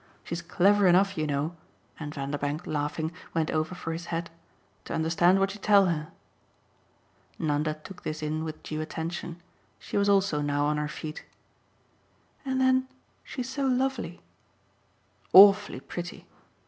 She's clever enough, you know" and Vanderbank, laughing, went over for his hat "to understand what you tell her." Nanda took this in with due attention; she was also now on her feet. "And then she's so lovely." "Awfully pretty!"